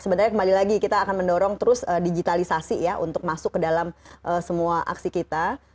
sebenarnya kembali lagi kita akan mendorong terus digitalisasi ya untuk masuk ke dalam semua aksi kita